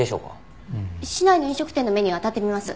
市内の飲食店のメニューあたってみます。